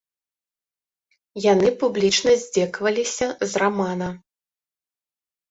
Яны публічна здзекаваліся з рамана.